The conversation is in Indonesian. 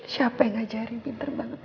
siapa yang ngajarin pinter banget